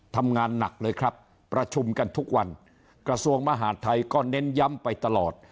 ทำงานหนักเลยครับประชุมกันทุกวันกระทรวงมหาดไทยก็เน้นย้ำไปตลอด